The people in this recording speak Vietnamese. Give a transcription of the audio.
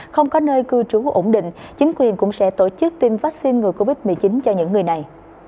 không có nơi cư trú ổn định chính quyền cũng sẽ tổ chức tiêm vaccine ngừa covid một mươi chín cho những người này